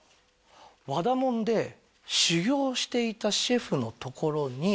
「和田門で修業していたシェフの所に」